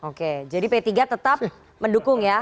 oke jadi p tiga tetap mendukung ya